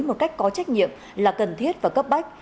một cách có trách nhiệm là cần thiết và cấp bách